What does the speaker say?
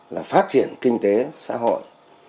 là phát triển kinh tế xã hội